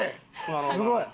すごい！